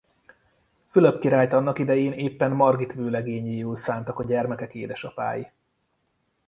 Fülöp királyt annak idején éppen Margit vőlegényéül szántak a gyermekek édesapái.